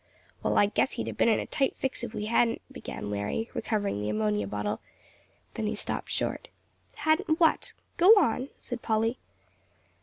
"Well, I guess he'd have been in a tight fix if we hadn't " began Larry, recovering the ammonia bottle. Then he stopped short. "Hadn't what? Go on," said Polly.